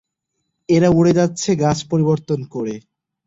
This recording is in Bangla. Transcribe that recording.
এরা উড়ে উড়ে গাছ পরিবর্তন করে।